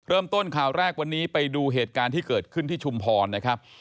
เริ่มต้นข่าวแรกวันนี้ไปดูเหตุการณ์ที่เกิดขึ้นที่ชุมพรนะครับ